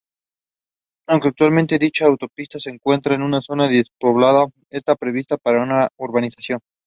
Aunque actualmente dicha autopista se encuentra en una zona despoblada, esta prevista su urbanización.